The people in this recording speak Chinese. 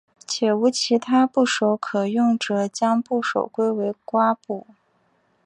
且无其他部首可用者将部首归为瓜部。